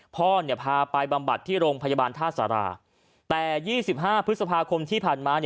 พ่อพาไปบำบัดที่โรงพยาบาลท่าสาราแต่๒๕พฤษภาคมที่ผ่านมา